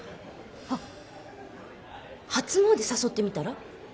あっ初詣誘ってみたら？